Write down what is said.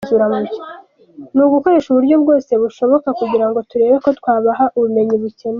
Ni ugukoresha uburyo bwose bushoboka kugira ngo turebe ko twabaha ubumenyi bukenewe.